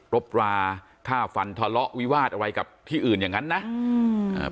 บราค่าฟันทะเลาะวิวาสอะไรกับที่อื่นอย่างนั้นนะอืมอ่า